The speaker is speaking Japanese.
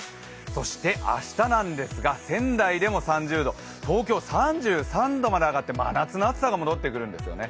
そして明日なんですが、仙台でも３０度、東京では３３度まで上がって真夏の暑さが戻ってくるんですよね。